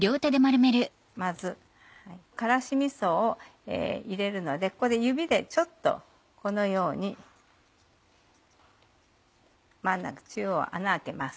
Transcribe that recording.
まず辛子みそを入れるのでここで指でちょっとこのように真ん中中央穴開けます。